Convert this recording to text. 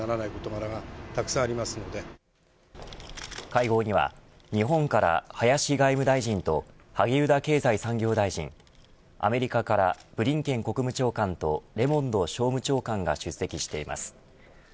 会合には日本から林外務大臣と萩生田経済産業大臣アメリカからブリンケン国務長官とレモンド商務長官が出席しています。